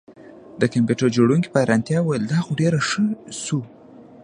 د کمپیوټر جوړونکي په حیرانتیا وویل دا خو ډیر ښه شو